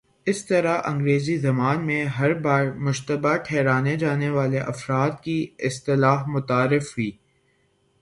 اس طرح انگریزی زبان میں ''ہر بار مشتبہ ٹھہرائے جانے والے افراد "کی اصطلاح متعارف ہوئی۔